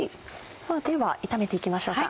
では炒めていきましょうか。